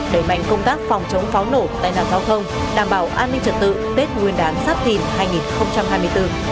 đẩy mạnh công tác phòng chống pháo nổ tài năng giao thông đảm bảo an ninh trật tự tết nguyên đán sắp tìm hai nghìn hai mươi bốn